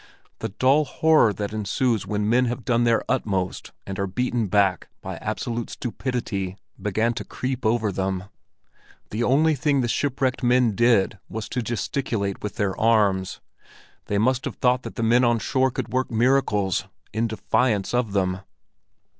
The dull horror that ensues when men have done their utmost and are beaten back by absolute stupidity, began to creep over them. The only thing the shipwrecked men did was to gesticulate with their arms. They must have thought that the men on shore could work miracles—in defiance of them.